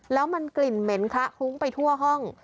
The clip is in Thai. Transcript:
แล้วมันกลิ่นเหม็นคละคลุ้งไปทั่วห้อง